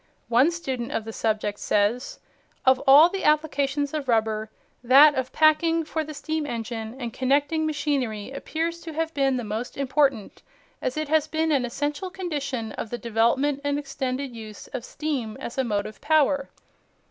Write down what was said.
One student of the subject says: "Of all the applications of rubber, that of packing for the steam engine and connecting machinery appears to have been the most important, as it has been an essential condition of the development and extended use of steam as a motive power."